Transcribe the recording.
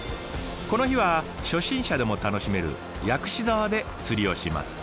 この日は初心者でも楽しめる薬師沢で釣りをします。